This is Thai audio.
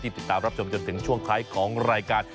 ติดตามรับชมจนถึงช่วงท้ายของรายการ